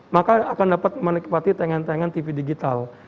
maka akan dapat menikmati tayangan tayangan tv digital